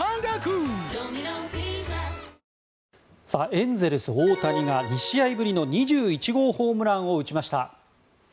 エンゼルス、大谷が２試合ぶりの２１号特大ホームランを打ちました。